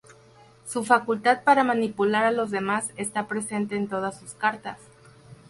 Su facultad para manipular a los demás está presente en todas sus cartas.